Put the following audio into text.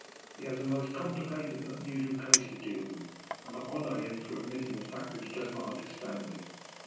He has a most complicated and unusual case to deal with, and I honour him for admitting the fact that he does not understand it.